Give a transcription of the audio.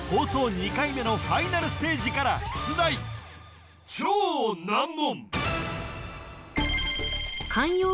２回目のファイナルステージから出題超難問